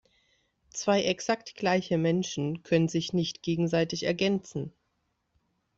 Zwei exakt gleiche Menschen können sich nicht gegenseitig ergänzen.